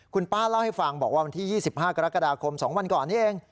คุณป้าเล่าให้ฟังบอกว่าวันที่๒๕กรกฎาคม๒วันก่อนนี้เอง